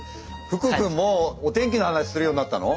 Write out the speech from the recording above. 福くんもうお天気の話するようになったの？